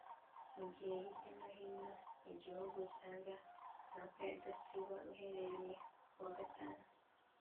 Mu gihe hirya no hino mu igihugu usanga amakwe adasiba uhereye ku wa gatanu